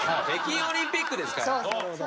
北京オリンピックですから。